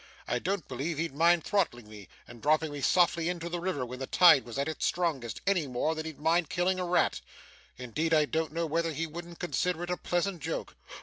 I don't believe he'd mind throttling me, and dropping me softly into the river when the tide was at its strongest, any more than he'd mind killing a rat indeed I don't know whether he wouldn't consider it a pleasant joke.